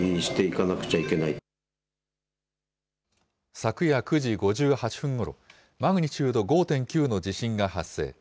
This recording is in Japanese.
昨夜９時５８分ごろ、マグニチュード５．９の地震が発生。